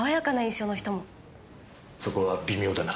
そこは微妙だな。